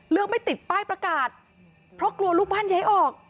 ไม่ติดป้ายประกาศเพราะกลัวลูกบ้านย้ายออก